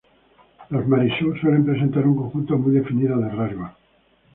Los Mary Sue suelen presentar un conjunto muy definido de rasgos.